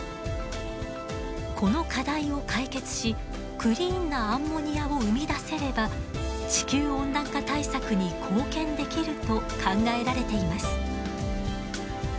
この課題を解決しクリーンなアンモニアを生み出せれば地球温暖化対策に貢献できると考えられています。